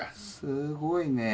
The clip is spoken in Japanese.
すごいね。